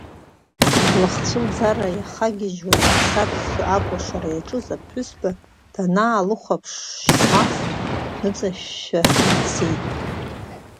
Лыхцәы лӡара иахагьыжьуа, иӡса-ӡсо акәашара иаҿыз аԥҳәызба данаалыхәаԥш, Шьмаф дныҵашәшәа дцеит.